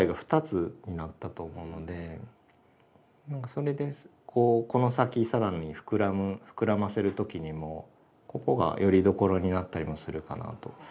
それでこの先更に膨らませる時にもここがよりどころになったりもするかなと。